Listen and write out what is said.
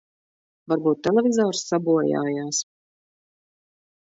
Varbūt televizors sabojājās.